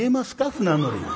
船乗りに。